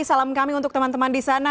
salam kami untuk teman teman di sana